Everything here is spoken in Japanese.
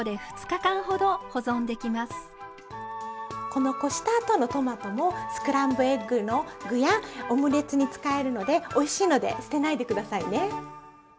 このこした後のトマトもスクランブルエッグの具やオムレツに使えるのでおいしいので捨てないで下さいね。